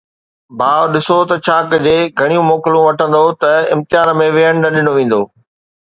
ڀاءُ، ڏسو ته ڇا ڪجي، گهڻيون موڪلون وٺندؤ ته امتحان ۾ ويهڻ نه ڏنو ويندو.